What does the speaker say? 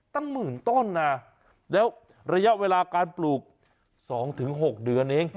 ตั้งหมื่นต้นนะแล้วระยะเวลาการปลูก๒๖เดือนเอง